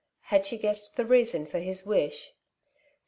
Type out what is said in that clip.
Had she guessed the reason for his wish